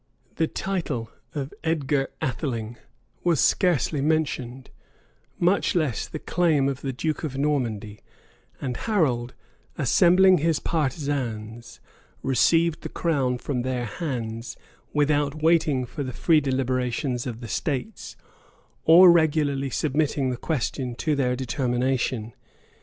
The title of Edgar Atheling was scarcely mentioned, much less the claim of the duke of Normandy; and Harold, assembling his partisans, received the crown from their hands, without waiting for the free deliberation of the states, or regularly submitting the question to their determination.